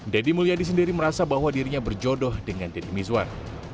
deddy mulyadi sendiri merasa bahwa dirinya berjodoh dengan deddy mizwar